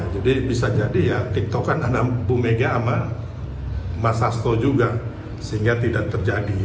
jadi bisa jadi ya tiktok kan ada bumega sama mas hasto juga sehingga tidak terjadi